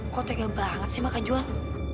kok tegel banget sih makan jual